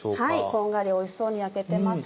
こんがりおいしそうに焼けてます。